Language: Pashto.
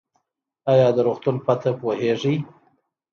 ایا د روغتون پته پوهیږئ؟